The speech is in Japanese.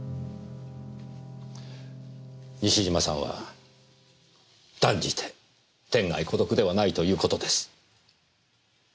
西島さんは断じて天涯孤独ではないという事です。